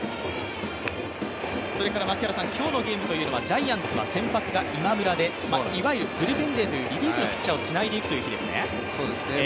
今日のゲームはジャイアンツが先発が今村でいわゆるブルペン勢というリリーフのピッチャーをつないでいく考えですね。